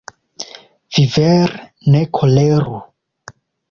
Vi, vere, ne koleru.